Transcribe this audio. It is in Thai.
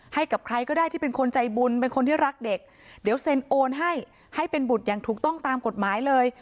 ให้กับใครก็ได้ที่เป็นคนใจบุญเป็นคนที่รักเด็กเดี๋ยวเซ็นโอนให้ให้เป็นบุตรอย่างถูกต้องตามกฎหมายเลย